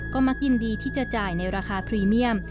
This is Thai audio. ก็มักยินดีที่จะจ่ายในราคาพรีเมียม